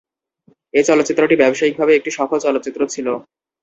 এই চলচ্চিত্রটি ব্যবসায়িকভাবে একটি সফল চলচ্চিত্র ছিল।